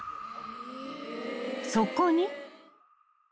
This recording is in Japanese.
［そこに］